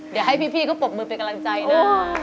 เดี๋ยวให้พี่เขาปรบมือเป็นกำลังใจนะ